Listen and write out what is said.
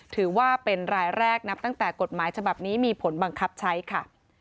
ถือว่าเป็นรายแรกนับตั้งแต่กฎหมายฉบับนี้มีผลบังคับใช้ค่ะ